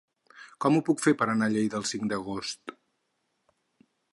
Com ho puc fer per anar a Lleida el cinc d'agost?